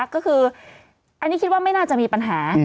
ก็คืออันนี้คิดว่าไม่น่าจะมีปัญหา